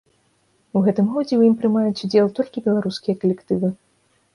У гэтым годзе ў ім прымаюць удзел толькі беларускія калектывы.